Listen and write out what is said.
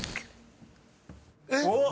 おっ！